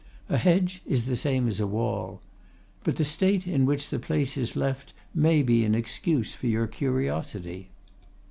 A hedge is the same as a wall. But, the state in which the place is left may be an excuse for your curiosity.